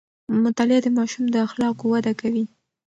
مطالعه د ماشوم د اخلاقو وده کوي.